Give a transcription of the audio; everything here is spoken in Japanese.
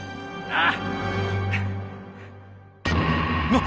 ああ！